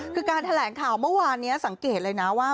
คือการแถลงข่าวเมื่อวานนี้สังเกตเลยนะว่า